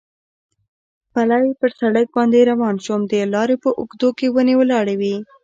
پلی پر سړک باندې روان شوم، د لارې په اوږدو کې ونې ولاړې وې.